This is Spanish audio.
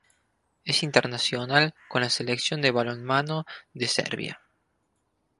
Es internacional con la selección de balonmano de Serbia.